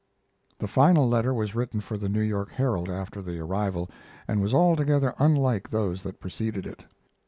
The final letter was written for the New York Herald after the arrival, and was altogether unlike those that preceded it.